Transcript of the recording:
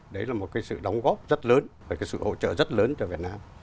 đấy là một cái sự đóng góp rất lớn và cái sự hỗ trợ rất lớn cho việt nam